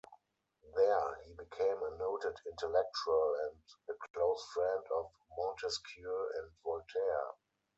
There, he became a noted intellectual and a close friend of Montesquieu and Voltaire.